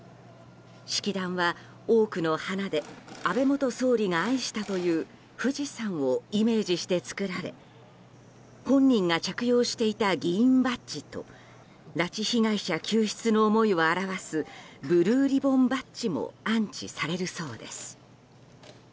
式壇は多くの花で安倍元総理が愛したという富士山をイメージして作られ本人が着用していた議員バッジと拉致被害者救出の思いを表すブルーリボンバッジも安置されるそうです。